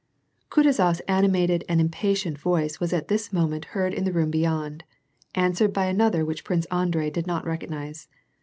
Kutuzof's animated and impatient voice was at this moment heard in the room beyond, answered by another which Prince Andrei did not recognize.